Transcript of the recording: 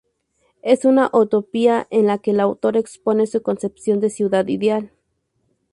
Es una utopía en la que el autor expone su concepción de ciudad ideal.